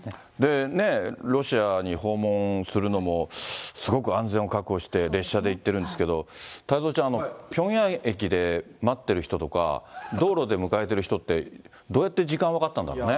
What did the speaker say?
ロシアに訪問するのもすごく安全を確保して、列車で行ってるんですけれども、太蔵ちゃん、ピョンヤン駅で待ってる人とか、道路で迎えている人って、どうやって時間分かったんだろうね。